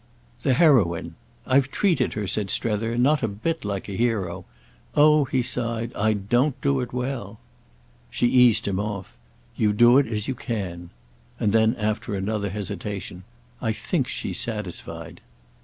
"The heroine. I've treated her," said Strether, "not a bit like a hero. Oh," he sighed, "I don't do it well!" She eased him off. "You do it as you can." And then after another hesitation: "I think she's satisfied."